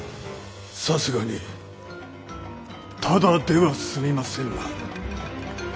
さすがにただでは済みませぬな。